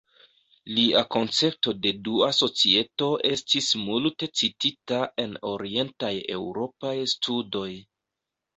Lia koncepto de dua societo estis multe citita en Orientaj Eŭropaj Studoj.